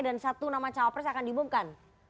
dan satu nama cawapres akan diumumkan